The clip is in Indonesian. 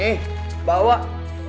ah ah kang